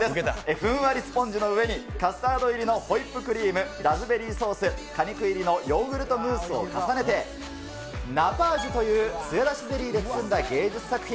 ふんわりスポンジの上に、カスタード入りのホイップクリーム、ラズベリーソース、果肉入りのヨーグルトムースを重ねて、ナパージュというつや出しゼリーで包んだ芸術作品。